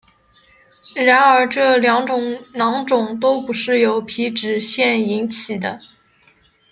然而这两种囊肿都不是由皮脂腺引起的。